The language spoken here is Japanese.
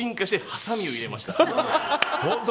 はさみを入れました。